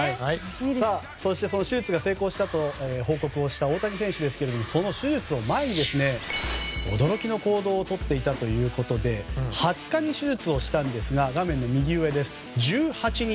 そしてその手術が成功したと報告をした大谷選手ですがその手術を前に驚きの行動をとっていたということで２０日に手術をしたのですが画面右上、１８日。